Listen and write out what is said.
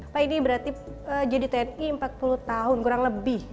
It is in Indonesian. pak ini berarti jadi tni empat puluh tahun kurang lebih